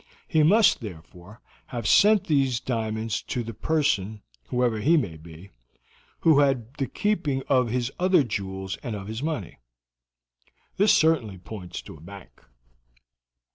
He must, therefore, have sent these diamonds to the person, whoever he may be, who had the keeping of his other jewels and of his money. This certainly points to a bank."